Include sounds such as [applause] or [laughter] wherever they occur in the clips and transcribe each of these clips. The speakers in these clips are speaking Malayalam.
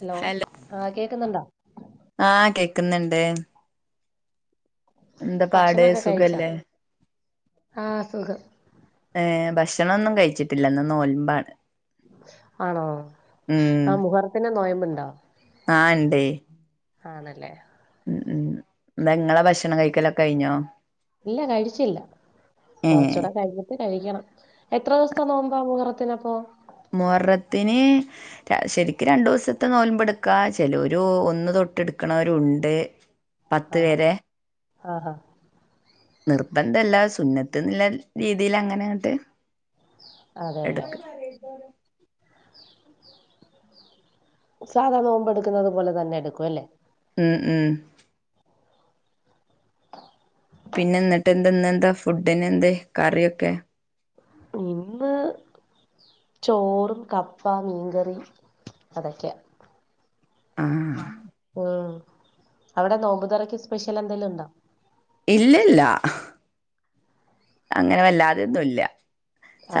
ഹലോ ആ കേക്കുന്നുണ്ടാ ആഹ് കേക്കുന്നുണ്ട് എന്താ പാട് ഭക്ഷണൊക്കെ കഴിച്ചാ സുഖല്ലേ ആഹ് സുഖം ഏഹ് ഭക്ഷണോന്നും കഴിച്ചിട്ടില്ല ഇന്ന് നോൽമ്പാണ് ആണോ ഉം ആ മുഹറത്തിന്റെ നോയമ്പുണ്ടോ ആഹ് ഇണ്ടേയ് ആണല്ലേ ഉം ഉം എന്താ ഇങ്ങളെ ഭക്ഷണം കഴിക്കലൊക്കെ കഴിഞ്ഞോ? ഇല്ല കഴിച്ചില്ല ഏഹ് കൊറച്ചൂടെ കഴി ഞ്ഞിട്ട് കഴിക്കണം എത്ര ദിവസത്തെ നോമ്പ മുഹറത്തിനപ്പോ മൊഹറത്തിന് ശരിക്കും രണ്ടു ദിവസത്തെ നോൽമ്പെടുക്കാ ചെലോരു ഒന്ന് തൊട്ട് എടുക്കണവരുണ്ട് ഹാഹാ ഹാഹാ നിർബന്ധല്ല സുന്നത്ത് ന്ന്‌ള്ള രീതിൽ അങ്ങനെ അങ്ങട്ട് അതെല്ലെ ഇതാരാ സാധാ നോമ്പെടുക്കുന്നത് പോലെ തന്നെ എടുക്കും അല്ലേ ഉം ഉം പിന്നെ എന്നിട്ട് എന്ത്നെന്താ ഫുഡിനെന്തെ കറിയൊക്കെ ഇന്ന് ചോറും കപ്പ മീൻകറി അതൊക്കെയാ ആഹ് ആഹ് അവിടെ നോമ്പുതുറക്ക് സ്പെഷ്യൽ എന്തെലും ഉണ്ടോ ഇല്ലില്ല അങ്ങനെ വല്ലാതൊന്നുല്ല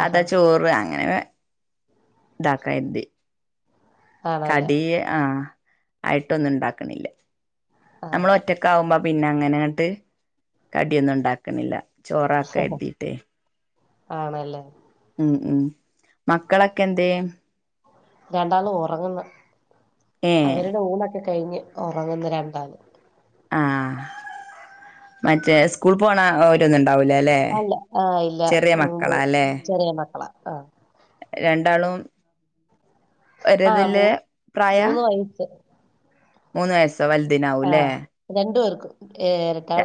ആഹാ ചോറ് അങ്ങനെ ഇതാക്ക കരുതി ആണല്ലേ കടി ആഹ് ആയിട്ടൊന്നും ഉണ്ടാക്കണില്ല നമ്മൾ ആഹ് ഒറ്റക്ക് ആവുമ്പോ പിന്നെ അങ്ങനെങ്ങട്ട് കടിയൊന്നും ഉണ്ടാക്കണില്ല ചോറ് ആക്കാന്നു കരുതിയിട്ടെയ് ആണല്ലേ ഉം ഉം മക്കളൊക്കെ എന്തേ രണ്ടാളും ഒറങ്ങുന്ന് ഏഹ് അവരുടെ ഊണൊക്കെ കഴിഞ്ഞ് ഉറങ്ങുന്ന്‌ രണ്ടാള് ആഹ് മറ്റേ സ്കൂൾ പോണ ഓര്ന്ന്ണ്ടാവൂലേ ആഹ് ഇല്ല അഹ് ഇല്ല ഓൻ പോവും ചെറിയ മക്കളാ ആഹ് രണ്ടാളും ഒരേതില് പ്രായാ സൈസ് മൂന്ന് വയസ്സോ വലുതിനാവുല്ലേ ആഹ് രണ്ടു പേർക്കും ഏഹ് എരട്ടാള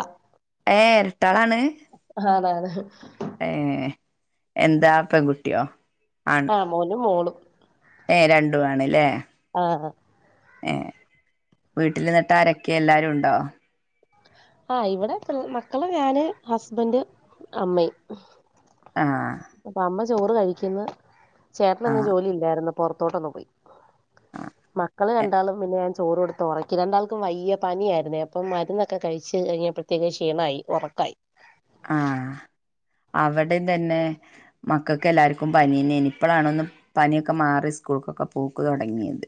ഏഹ് എരട്ടാളാണ് ആണ് ആണ് ഏഹ് എന്താ പെൺകുട്ടിയോ ആൺ ആഹ് മോനും മോളും ഏഹ് രണ്ടും ആണ്ല്ലേ ആഹ് ആ ഏഹ് വീട്ടിലിന്നിട്ടാരൊക്കെ എല്ലാരും ഉണ്ടോ ആഹ് ഇവിടെ പി മക്കള് മക്കള് ഞാന് ഹസ്ബന്റ് അമ്മയും ആഹ് അപ്പൊ അമ്മ ചോറ് കഴിക്കുന്ന് ചേട്ടനിന്ന് ആഹ് ജോലി ഇല്ലായിരുന്നു പുറത്തോട്ടൊന്ന് പോയി മക്കള് രണ്ടാളും പിന്നെ ചോറ് കൊടുത്ത് ഒറക്കി രണ്ടാൾക്കും വയ്യ പനിയായിരുന്നെ അപ്പം മരുന്നൊക്കെ കഴിച്ച് കഴിഞ്ഞപ്പോഴത്തേക് ക്ഷീണമായി ഒറക്കായി ആഹ് അവിടെം തന്നെ മക്കൾക്ക് എല്ലാർക്കും പനിന്നേന് ഇപ്പഴാണൊന്ന് പനിയൊക്കെ മാറി സ്കൂൾക്കൊക്കെ പോക്ക് തുടങ്ങിയത്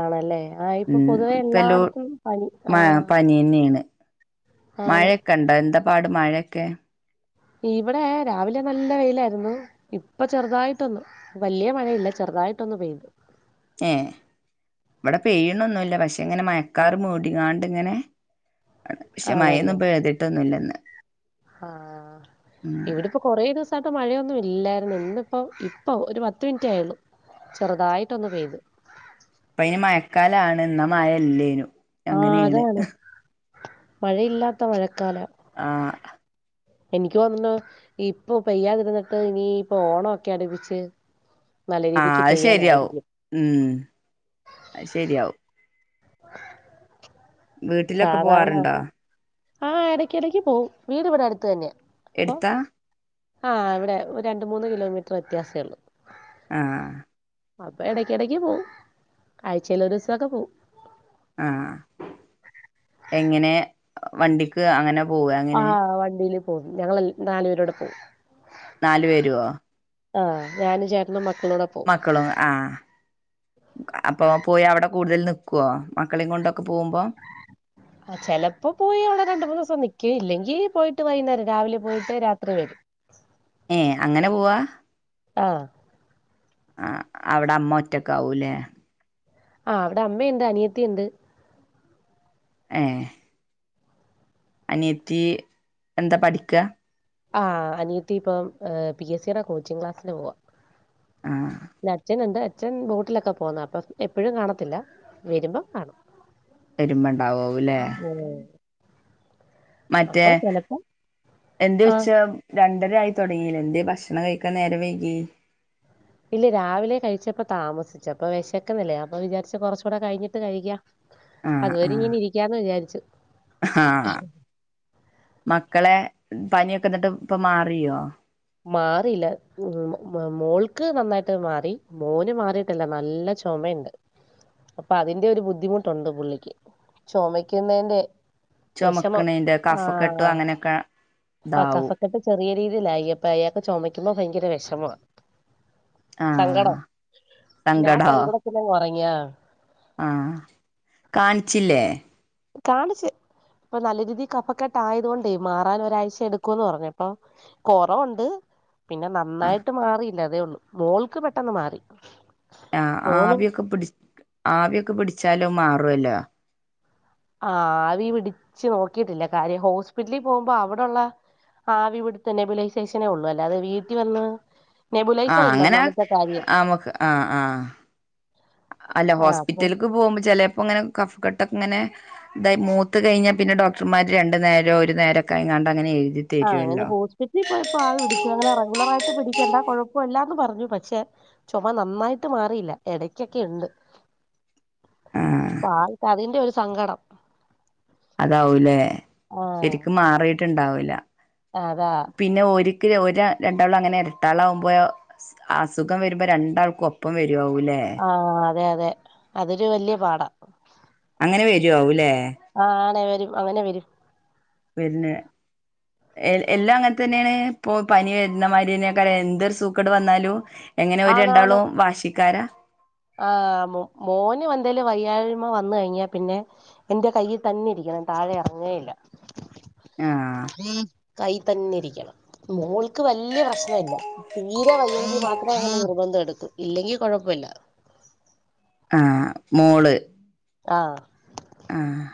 ആണല്ലേ ആഹ് ഇപ്പൊ ഉം പൊതുവെ ഇപ്പല്ലോ എല്ലായിടത്തും പനി മ ആഹ് പനിന്നെയ്ന്ന് ആണ് മയൊക്കെ ഇണ്ടോ എന്താ പാട് മഴയൊക്കെ ഇവിടെ രാവിലെ നല്ല വെയിലായിരുന്നു ഇപ്പ ചെറുതായിട്ടൊന്നു വല്യ മഴയില്ല ചെറുതായിട്ടൊന്ന് പെയ് ഏ ഇവിടെ പെയ്യണൊന്നുല്ല പക്ഷെ ഇങ്ങനെ മയക്കാർ മൂടികാണ്ട്ങ്ങനെ ആണ് പക്ഷെ ആണല്ലേ മയൊന്നും പെയ്തിട്ടൊന്നുല്ലന്ന് ആഹ് ഇവിടെപ്പൊ കുറേ ദിവസമായിട്ട് മഴയൊന്നും ഇല്ലായിരുന്നു ഇന്നിപ്പോ പ്പൊ ഒരു പത്ത് മിനിറ്റയുള്ളു ചെറുതായിട്ട് ഒന്ന് പെയ്ത് ഇപ്പ അയിന് മയക്കാലാണ് എന്നാ മയല്ലേനും ആഹ് അതാണ് മഴയില്ലാത്ത മഴക്കാലം ആഹ് എനിക്ക് തോന്ണു ഇപ്പൊ പെയ്യാതിരുന്നിട്ട് ഇനി ഇപ്പോ ഓണം ഒക്കെ അടുപ്പിച്ച് നല്ല ആഹ് രീതിക്ക് അത് ശരിയാവും പെയ്യാനായിരിക്കും ഉം അത് ശരിയാവും വീട്ടിലൊക്കെ പോവാറുണ്ടോ ആഹ് ഇടക്കിടക്ക് പോവും വീട് ഇവിടെ അടുത്ത് തന്നെ എടുത്താ ആഹ് ഇവിടെ ഒരു രണ്ട് മൂന്ന് കിലോമീറ്റർ വ്യത്യാസേ ഉള്ളു ആഹ് അപ്പ ഇടയ്ക്കിടക്ക് പോവും ആഴ്ചയിൽ ഒരു ദിവസൊക്കെ പോവും ആഹ് എങ്ങനെ വണ്ടിക്ക് അങ്ങനെ പോവേ? ആഹ് വണ്ടിയില് പോകും ഞങ്ങൾ നാലുപേരൂടെ പോവും നാലു പേരോ? ആഹ് ഞാനും ചേട്ടനും മക്കളുടെ മക്കളും ആഹ് അപ്പൊ പോയി അവിടെ കൂടുതൽ നിക്കുവോ മക്കളെയും കൊണ്ടൊക്കെ പോകുമ്പോ [inaudible] ആ് ചിലപ്പോ പോയി അവിടെ രണ്ടു മൂന്ന് ദിവസം നിക്കും ഇല്ലെങ്കി പോയിട്ട് വൈകുന്നേരം രാവിലെ പോയിട്ട് രാത്രി വരും. ഏഹ് അങ്ങനെ പോവാ? ആഹ് ആഗ് അവിടെ അമ്മ ഒറ്റക്കെവൂല്ലേ? ആഹ് അവിടെ അമ്മയുണ്ട് അനിയത്തി ഇണ്ട്. ഏഹ് അനിയത്തി എന്താ പഠിക്ക? ആഹ് അനിയത്തി ഇപ്പം ങ് പി എസ് സുടെ കോച്ചിങ് ക്ലാസ്സില് പോവാ. ആഹ് അച്ഛനുണ്ട് അച്ഛൻ ബോട്ടിലൊക്കെ പോന്ന അപ്പൊ എപ്പോഴും കാണത്തില്ല വരുമ്പം കാണും. വരുമ്പ ഉണ്ടാവൂ അല്ലേ. ഉം. മറ്റേ അപ്പൊ ചെലപ്പോ എന്ത് ആഹ് വെച്ച. രണ്ടര ആയി തുടങ്ങീല്ല എന്ത് ഭക്ഷണം കഴിക്കാൻ നേരം വൈകി. ഇല്ല രാവിലെ കഴിച്ചപ്പ താമസിച്ച അപ്പ വിശക്കന്നില്ല അപ്പൊ വിചാരിച്ച് കൊറച്ചൂടെ കഴിഞ്ഞിട്ട് കഴിക്കാ. ആഹ് അതുവരെ ആഹ് ഇങ്ങനെ ഇരിക്കാന്ന് വിചാരിച്ചു. ആഹ് മക്കളെ പനിയൊക്കെ എന്നിട്ട് ഇപ്പൊ മാറിയോ. മാറില്ല മോൾക്ക് നന്നായിട്ട് മാറി മോന് മാറിട്ടല്ല നല്ല. ചുമണ്ട് അപ്പൊ അതിന്റെ ഒരു ബുദ്ധിമുട്ടുണ്ട് പുള്ളിക്ക് ചുമക്കുന്നതിന്റെ. ചുമക്കണിന്റെ കഫക്കെട്ട് അങ്ങനെയൊക്കെ. ആഹ് ഇതാവും കഫക്കെട്ട് ചെറിയ രീതിയിലായി അപ്പ അയാൾക്ക് ചുമക്കുമ്പോ ഭയങ്കര വിഷമ. ആഹ് സങ്കടം പിന്നെ ആഹ് സങ്കടോ സങ്കടത്തിലങ്ങ് ഉറങ്ങിയാ. ആഹ് കാണിച്ചില്ലേ. കാണിച്ചു ഇപ്പൊ നല്ല രീതി കഫക്കെട്ട ആയതൊണ്ട് മാറാൻ ഒരാഴ്ച എടുക്കൂന്ന് പറഞ്ഞപ്പൊ. കൊറവുണ്ട് പിന്നെ ആഹ് നന്നായിട്ട് മാറിയില്ല അതേ ഉള്ളു മോൾക്ക് പെട്ടെന്ന് മാറി. ആഹ് ആഹ് മോന് അവിയൊക്കെ പിടി ആവിയൊക്കെ പിടിച്ചാലോ മാറുവല്ലോ. ആഹ് ആവി പിടിച്ചു നോക്കിയിട്ടില്ല കാര്യം ഹോസ്പിറ്റലിൽ പോകുമ്പോ അവിടുള്ള. ആവി പിടുത്ത നെബുലൈ സ്റ്റേഷനേ ഉള്ളൂ അല്ലാതത് വീട്ടിൽ വന്ന്. നെബുലൈസർ ആഹ് ഇല്ല അങ്ങനെ ഒന്നാമത്തെ കാര്യം ആമുക്ക് ആഹ് ആഹ്. അല്ല ആ അപ്പൊ ഹോസ്പിറ്റലക്ക് പോകുമ്പോ ചിലപ്പോ അങ്ങനെ കഫ കെട്ടൊക്ക ഇങ്ങനെ ഇതായി മൂത്ത് കഴിഞ്ഞ. പിന്നെ ഡോക്ടർമാര് രണ്ടു നേരോ ഒരു നേരം ക്കെ എങ്ങാണ്ട് അങ്ങനെ എഴുതി. ആഹ് അങ്ങനെ തരുവല്ലോ ഹോ്പിറ്റലിൽ പോയപ്പോ ആവി പിടിച്ചു അങ്ങനെ റെഗുലർായിട്ട് പിടിക്കേണ്ട കുഴപ്പമില്ലാന്ന് പറഞ്ഞു പക്ഷെ. ചുമ നന്നായിട്ട് മാറിയില്ല ഇടക്കൊക്കെ ഉണ്ട്. ആഹ് അൾക്ക് അതിന്റെ ഒരു സങ്കടം. അതാവൂലേ ആ ശരിക്കും മാറിട്ടുണ്ടാവില്ല. അതാ. പിന്നെ ഒരിക്ക് ഒര് രണ്ടാളം അങ്ങനെ എരട്ടകൾ ആകുമ്പോ. അസുഖം വരുമ്പോ രണ്ടാൾക്കും ഒപ്പം വരുവവൂല്ലേ. ആഹ് അതെ അതെ അതൊരു വലിയ പാടാ. അങ്ങനെ വരുംല്ലേ. ആഹ് ആണ് അങ്ങനെ വരും അങ്ങനെ വരും. പിന്നെ. ഏഹ് എല്ലാം അങ്ങനെ തന്നെയാണ് ഇപ്പൊ പനി വരുന്നമാതിരിയൊക്കെ എന്തൊരു സൂക്കട് വന്നാലും. എങ്ങനെ അവര് രണ്ടാളും വാശിക്കാരാ. ആന് മോന് എന്തേല് വയ്യാഴ്മ വന്നു കഴിഞ്ഞാ പിന്നെ. എന്റെ കയ്യിൽ തന്നെ ഇരിക്കണം താഴെ ഇറങ്ങേയില്ല. ആഹ് കൈ തന്നെ ഇരിക്കണം മോൾ. വലിയ പ്രശ്ന ഇല്ല തീരെ വയ്യങ്കിൽ മാത്രമേ അങ്ങ നിർബന്ധം എടുക്കൂ ഇല്ലെങ്കിൽ കുഴപ്പമില്ല. ആഹ് മോള് ആഹ് ആഹ്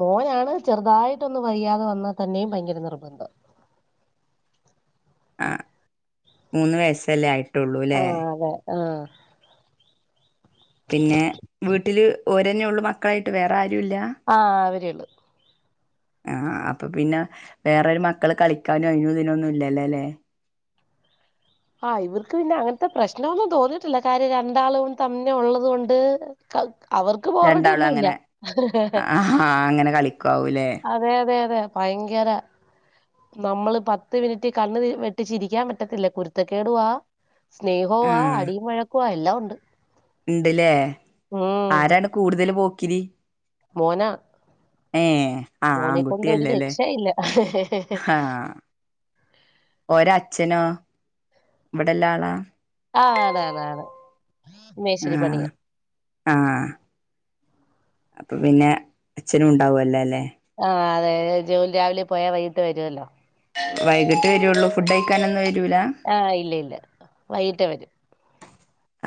മോനാണ് ചെറുതായിട്ടൊന്നും വയ്യാതെ വന്നാൽ തന്നെയും ഭയങ്കര നിർബന്ധം ആഹ് മൂന്ന് വയസ്സല്ലേ ആയി ആഹ അതെ ആഹ പിന്നെ വീട്ടില് ഓരന്നെ ഉള്ള മക്കളായിട്ട് വേറെ ആരുല്ല ആ അവര ഉള്ളു ആഹ അപ്പൊ പിന്നെ വേറരു മക്കള് കളിക്കാനും അയിന് ഇതിനൊന്നും ഇല്ലല്ലേ ല്ലേ ആഹ് ഇവർക്ക് പിന്നെ അങ്ങനത്തെ പ്രശ്നമൊന്നും തോന്നിയിട്ടില്ല കാര്യം രണ്ടാളും തന്നെ ഉള്ളത് കൊണ്ട് അവർക്ക് രണ്ടാളും പോറടിന്നുല്ല അങ്ങനെ ആഹാ അങ്ങനെ കളിക്കാവൂലേ അതെ അതെ അതെ ഭയങ്കര നമ്മള് പത്ത് മിനിറ്റ് കണ്ണ് വെട്ടിച്ച ഇരിക്കാൻ പറ്റത്തില്ല കു കുരുത്തക്കേടുവാ സ്നേഹവ ആ അടിയും വഴക്കുവാ എല്ലാം ഉണ്ട് ഉണ്ടല്ലേ ഉം ആരാണ് കൂടുതൽ പോക്കിരി മോന ഏ ആഹ ഒരു ആൺകുട്ടിയല്ലേല്ലേ രക്ഷയില്ല ആഹ ഓര അച്ഛനോ ഇവിടെല്ല ആളാ ആഹ് ആണ ആണ ആണ് മേശരി പണിയാ ആ അപ്പൊ പിന്നെ അച്ഛനും ഉണ്ടാവുംല്ലേ അല്ലെ ആഹ് അതെ ജോലി രാവിലെ പോയാൽ വൈകിട്ട് വരുവല്ലോ വൈകിട്ട് വരുള്ളൂ ഫുഡ് അഴിക്കാനൊന്നും വരൂല ആഹ് ഇല്ല ഇല്ല വൈകിട്ടേ വരും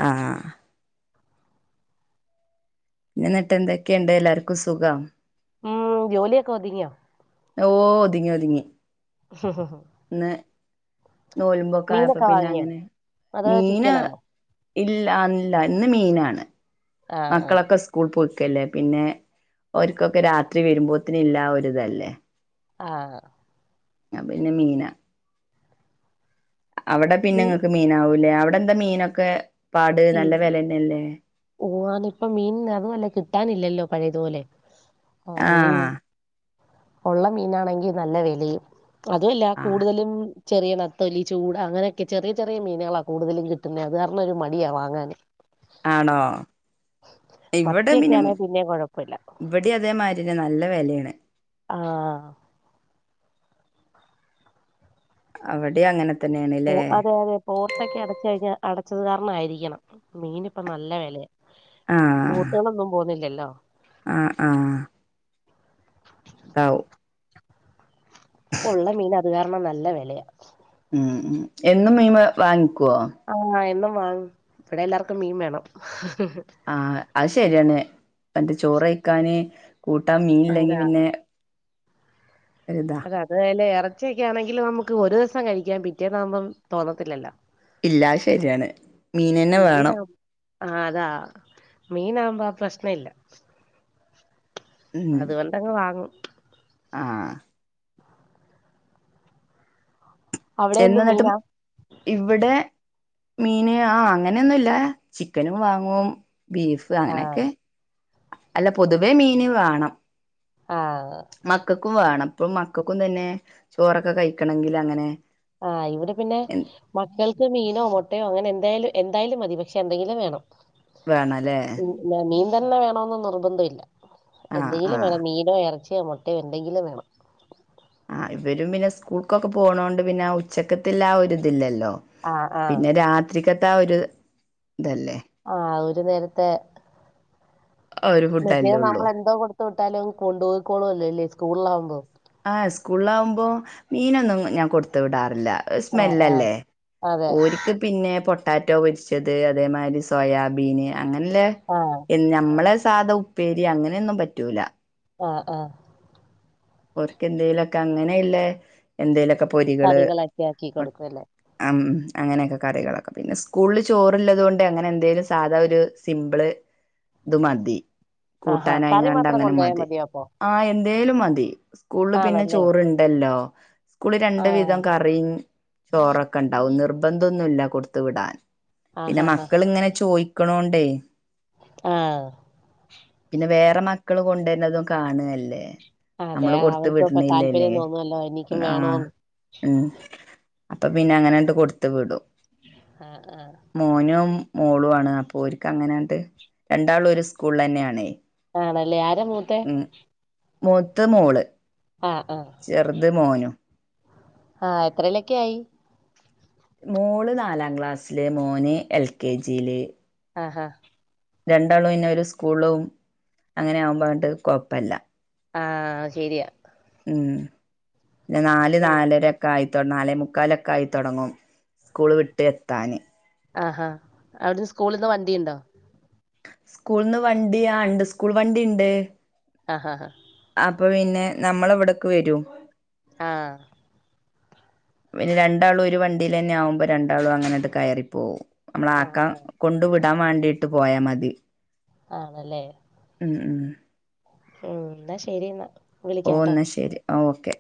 ആഹ ന്ന എന്നിട്ട് എന്തൊക്കെയുണ്ട് എല്ലാവർക്കും സുഖം ഉം ജോലിയൊക്കെ ഒതുങ്ങിയോ ഓ ഒതുങ്ങി ഒതുങ്ങി ഹ ഹ ഹ ഇന്ന് നോലുമ്പോക്കെ ആയപ്പോ മീനൊക്കെ പിന്നെ വാങ്ങിയോ അങ്ങനെ അതോ മീന് ചിക്കനാണോ ഇല്ല അല്ല ഇന്ന് മീയിനാണ് ആഹ് ആഹ് മക്കളൊക്കെ സ് സ്കൂൾ പോയിക്കല്ലേ പിന്നെ ഓര് ക്കൊക്കെ രാത്രി വരുമ്പോത്തിനും ഇല്ല ഒരുതല്ലേ ആഹ പിന്നെ മീന അവിടെ പിന്നെ അവിടെ പിന്നെ ഇങ്ങക്ക് മീന ആാവൂല്ലേ അവിടെ എന്താ മീനൊക്കെ പാട് നല്ല വലെന്നെല്ലേ പോവാൻ ഇപ്പ മീൻ അതുമല്ല കിട്ടാനില്ലല്ലോ പഴയതുപോലെ ആ മീൻ ആഹ് ഉള്ള മീനാണെങ്കി നല്ല വേലയും അതുമല്ല ആഹ് കൂടുതലും ചെറിയ നത്തൊലി ചൂട് അങ്ങനെയൊക്കെ ചെറിയ ചെറിയ മീനുകളാ കൂടുതലും കിട്ടണുന്നത് അത് കാരണം ഒരു മടിയാ വാങ്ങാൻ ആണോ ഇവിടെ മിനം മത്തിയൊക്കെയാണെ പിന്നെ കുഴപ്പമില്ല ഇവിടെ അതേമാതിരിെ നല്ല വിലയാണ് ആഹ അവിടെ അങ്ങനെ തന്നെയാണ്ല്ലേ അതെ അതെ പോർട്ടൊക്കെ അടച്ച കഴിഞ്ഞാ അടച്ചത് കാരണം ആയിരിക്കണം മീൻ ഇപ്പ നല്ല വിലയെ ബോട്ട് കളൊന്നും പോന്നില്ലല്ലോ ആഹ ആഹ ദൗ ഉള്ള മീൻ അത് കാരണം നല്ല വിലയാ ഉം എന്നും മീൻ വാങ്ങിക്കുവോ ആഹ് എന്നും വാങ്ങ ഇവിടെ എല്ലാർക്കും മീൻ വേണം ആ് അത് ശരിയാണ് ചോറ്ഴിക്കാന് കൂട്ടാൻ മീൻ ഇല്ലെങ്കി അതാ പിന്നെ ഏതാ അത് അതെ പോലെ എറച്ചിയൊക്കെണെങ്കിൽ നമുക്ക് ഒരൂസം കഴിക്കാം പിറ്റേന്ന് ആവുമ്പം തോന്നത്തില്ലല്ലോ ഇല്ല അത്ശരിയാണ് മീനന്നെ വേണം ആഹ് അതാ മീനവുമ്പോ ആ പ്രശ്നം ഇല്ല ഉം അത് കൊണ്ടങ്ങ് വാങ്ങും ആഹ് അവിടെ എന്ത് എന്നെന്നിട്ടും മീനാ ഇവിടെ മീന് ആഹ് അങ്ങനൊന്നുല്ല ചിക്കനും വാങ്ങും ബീഫ് പ്പ് ആഹ് അങ്ങനോക്കെ അല്ല പൊതുവേ മീന് വേണം ആഹ് മക്കക്കും വേണം ഇപ്പഴും മക്കക്കും തന്നെ ചോറൊക്കെ കഴിക്കണെങ്കില് അങ്ങനെ ആഹ് ഇവടെ പിന്നെ മക്കൾക്ക് മീനോ മുട്ടയോ അങ്ങനെ എന്തായാലും എന്തായാലും മതി പക്ഷെ എന്തെങ്കിലും വേണം വേണല്ലേ ന്താ മീൻ തന്നെ വേണോന്ന് നിർബന്ധവില്ല ആ ആ എന്തെങ്കിലും വേണം മീൻ നോ ഇറച്ച്യോ മുട്ട്യോ എന്തെങ്കിലും വേണം ആഹ് ഇവരും പിന്നെ സ്കൂൾക്കൊക്കെ പോണോണ്ട് പിന്നെ ഉച്ചക്കത്തില്ല ആ ഒരിതില്ലല്ലോ ആഹ് ആഹ് പിന്നെ രാത്രിക്കത്തെ ആ ഒരുതല്ലേ ആഹ് ഒരു നേരത്തെ ആ ഒരു ഫുഡല്ലേ മറ്റേത് ഉള്ളൂ നമ്മള് എന്തോ കൊടു തൊട്ടാലങ്ങ് കൊണ്ടോയ് കോളുളല്ലേ സ്കൂളിലാവുമ്പോ ആഹ് സ്കൂള്ല് ആകുമ്പോ മീനൊന്നും ഞാൻ കൊടുത്ത് വിടാറില്ല ഒര് ആഹ് ആഹ് സ്മെല്ലല്ലേ അതെ ഓര് ക്ക് പിന്നെ പൊട്ടാറ്റോ പൊരിച്ചത് അതേമാരി സോയാബീന് അങ്ങനില്ല ആഹ് ഞമ്മളെ സാധ ഉപ്പേരി അങ്ങനൊന്നും പറ്റൂല ആഹ് ആഹ് ഓർക്ക് എന്തേലൊക്കെ അങ്ങനെയില്ല എന്തേലൊക്കെ പൊരികള് കറികളൊക്കെ ആക്കി മൊ കൊടുക്കുംല്ലേ അമ് അങ്ങനെയൊക്കെ കറികളൊക്കെ പിന്നെ സ്കൂളില് ചോറുള്ളത് കൊണ്ട് അങ്ങനെ എന്തേലും സാധാ ഒരു സിമ്പിള് ത് മതി ആഹാ കറി കൂട്ടാനായകണ്ട് മാത്രം അങ്ങനെ കൊണ്ടുപോയാൽ മതി മതിയോ അപ്പൊ ആഹ് എന്തേലും മതി സ്കൂളിൽ പിന്നെ ആണല്ലേ ചോറുണ്ടല്ലോ സ്കൂളിൽ രണ്ടു ആഹ് വിധം കറീം ചോറൊക്കെ ഇണ്ടാവും നിർബന്ധന്നുല്ല കൊടുത്തു വിടാൻ ആഹ് പിന്നെ ആഹ് മക്കളിങ്ങനെ ചോയ്ക്കണോണ്ടെ ആഹ് പിന്നെ വേറെ മക്കള് കൊണ്ടരണതും കാണല്ലേ അതെ നമ്മള് കൊടുത്ത് അവർക്കും ഇപ്പൊ വിടണില്ലേല് താല്പര്യം തോന്നുവല്ലോ എനിക്കും ആഹ് വേണോന്ന് ഉം അപ്പൊ പിന്നെ അങ്ങനെണ്ട് കൊടുത്ത് വിടും ആഹ് ആഹ് മോനും മോളു ആണ് അപ്പൊ ഓര്ക്ക് അങ്ങനെണ്ട് രണ്ടാളും ഒരു സ്കൂളിളെന്നെ ആണേ ആണല്ലേ ആരാ മൂത്തെ മൂത്തത് മോള് ആഹ് ആഹ് ചെറുത് മോനും ആഹ് എത്രയിലൊക്കെ ആയി മോള് നാലാം ക്ലാസ്സില് മോന് എൽ കെ ജി ല് ആഹ് ആഹ് രണ്ടാളും പിന്നെ ഒരു സ്കൂളും അങ്ങനെ ആവുമ്പോ ആണ്ട് കൊഴപ്പല്ല ആഹ് ശരിയാ ഉം പിന്നെ നാല് ഉം നാലര ക്കെ ആയിതൊ നാലേ മുക്കാലൊക്കെ ആയിത്തൊടങ്ങും സ്കൂള് വിട്ട് എത്താന് ആഹ് ഹ അവിടന്ന് സ്കൂളിന്ന് വണ്ടിണ്ടോ സ്കൂൾന്ന് വണ്ടി ആ ഇണ്ട് സ്കൂൾ വണ്ടിണ്ട്. ആഹ് ഹ അപ്പൊ പിന്നെ നമ്മള ഇവിടക്ക് വരും. ആഹ്. പിന്നെ രണ്ടാളും ഒരു വണ്ടീലെന്നെ ആവുമ്പോ രണ്ടാളും അങ്ങനേണ്ട് കയറിപ്പോവും. നമ്മള ആക്കാ. ആഹ് കൊണ്ടു വിടാൻ വാണ്ടിയിട്ട് പോയാ മതി. ആണ്ല്ലേ. ഉം ഉം ഉ ന്നാ ശരി ന്നാ. ഓഹ് ന്നാ ശരി ആ ഓക്കെ.